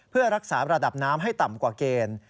เพื่อรักษาระดับน้ำให้ต่ำกว่าเกณฑ์